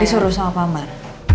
disuruh sama pamar